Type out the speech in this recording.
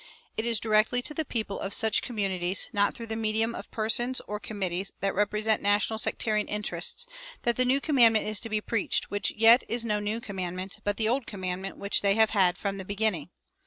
It is directly to the people of such communities, not through the medium of persons or committees that represent national sectarian interests, that the new commandment is to be preached, which yet is no new commandment, but the old commandment which they have had from the beginning.